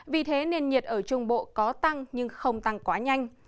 vì thế nền nhiệt ở trung bộ có tăng nhưng không tăng quá nhanh